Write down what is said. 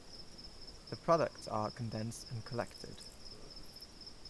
The products are condensed and collected.